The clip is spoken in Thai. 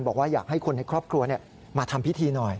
บอกว่าอยากให้คนในครอบครัวมาทำพิธีหน่อย